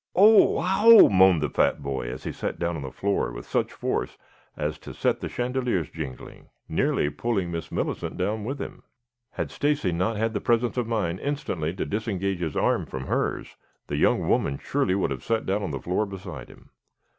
"Oh, wow!" moaned the fat boy as he sat down on the floor with such force as to set the chandeliers jingling, nearly pulling Miss Millicent down with him. Had Stacy not had the presence of mind instantly to disengage his arm from hers, the young woman surely would have sat down on the floor beside him.